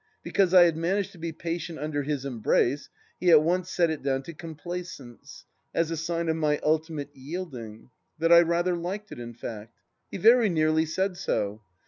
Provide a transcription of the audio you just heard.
... Because I had managed to be patient under his embrace, he at once set it down to complaisance ; as a sign of my ultimate yielding ; that I rather liked it, in fact. He very nearly said so.